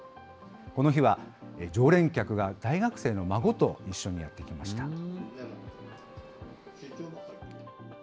この日は常連客が大学生の孫と一緒にやって来ました。